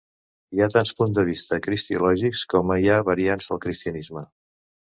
Hi ha tants punts de vista cristològics com hi ha variants del cristianisme.